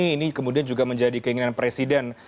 ini kemudian juga menjadi keinginan presiden